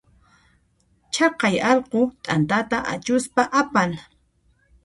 Chaqay allqu t'antata achuspa apan.